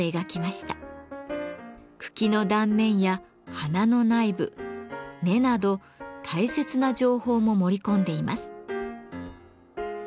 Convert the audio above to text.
茎の断面や花の内部根など大切な情報も盛り込んでいます。